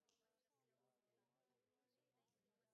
پوره معلومات نۀ دي تر لاسه شوي